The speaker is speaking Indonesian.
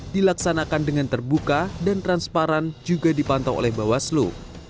dilaksanakan dengan terbuka dan transparan juga dipantau oleh bawaslu